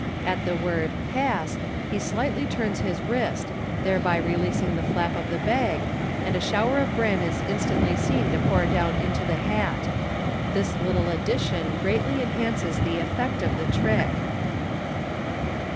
At the word " Pass !" he slightly turns his wrist, thereby releasing the flap of the bag, and a shower of bran is instantly seen to pour down into the hat This little addition greatly enhances the effect of the trick.